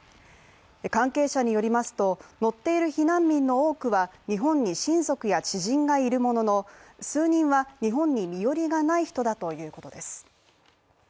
関係者によりますと、乗っている避難民の多くは日本に親族や知人がいるものの、数人は日本に身寄りがない人だということです。